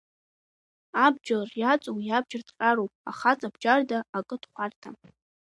Абџьар иаҵоу иабџьар ҭҟьароуп, ахаҵа бџьарда акы дхәарҭам.